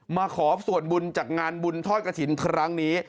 มาขอส่วนบุญจากงานบุญทอดกระถิ่นครั้งนี้